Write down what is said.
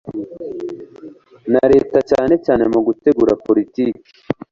na Leta cyane cyane mu gutegura politiki